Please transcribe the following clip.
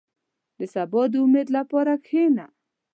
• د سبا د امید لپاره کښېنه.